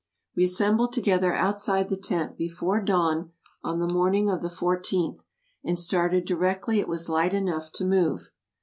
We assembled together outside the tent before dawn on the morning of the fourteenth, and started directly it was light enough to move.